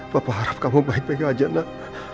bapak harap kamu baik baik aja nak